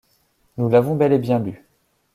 Nous l'avons bel et bien lu.